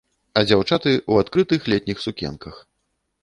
А дзяўчаты ў адкрытых летніх сукенках.